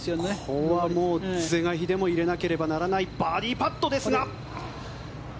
ここは是が非でも入れなければならないバーディーパットですが。